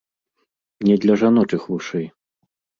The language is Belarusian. Не для жаночых вушэй.